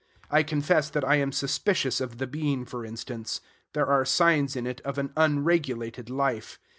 I confess that I am suspicious of the bean, for instance. There are signs in it of an unregulated life.